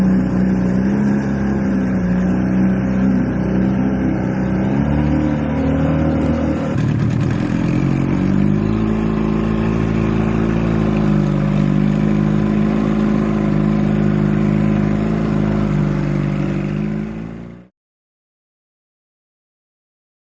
รายการรัฐการณ์จังหวัดน้ำคอร์นรัฐสีมา